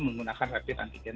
menggunakan rapid antigen